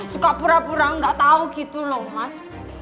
suka pura pura gak tau gitu loh mas